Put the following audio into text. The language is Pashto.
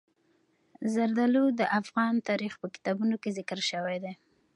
زردالو د افغان تاریخ په کتابونو کې ذکر شوی دي.